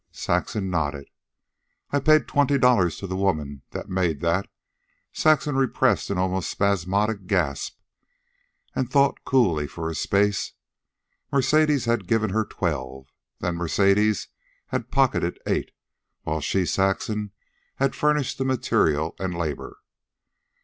Saxon nodded. "I paid twenty dollars to the woman that made that." Saxon repressed an almost spasmodic gasp, and thought coolly for a space. Mercedes had given her twelve. Then Mercedes had pocketed eight, while she, Saxon, had furnished the material and labor.